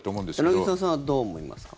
柳澤さんはどう思いますか？